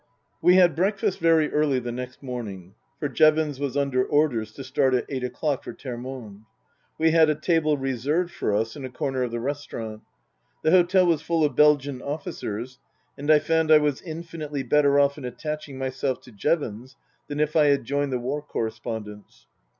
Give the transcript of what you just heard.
XIV WE had breakfast very early the next morning, for Jevons was under orders to start at eight o'clock for Termonde. We had a table reserved for us in a corner of the restaurant. The hotel was full of Belgian officers, and I found I was infinitely bettor off in attaching myself to Jevons than if I had joined the war correspondents.